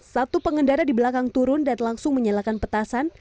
satu pengendara di belakang turun dan langsung menyalakan petasan